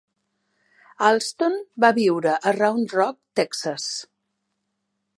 Allston va viure a Round Rock, Texas.